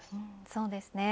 そうですね。